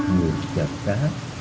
người chật đá